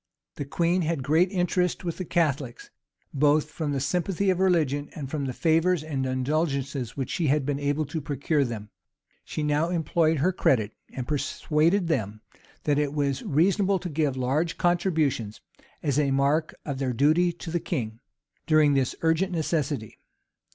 The queen had great interest with the Catholics, both from the sympathy of religion, and from the favors and indulgences which she had been able to procure to them. She now employed her credit, and persuaded them that it was reasonable to give large contributions, as a mark of their duty to the king, during this urgent necessity.